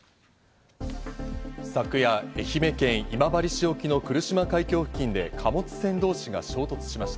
昨夜、愛媛県今治市沖の来島海峡付近で貨物船同士が衝突しました。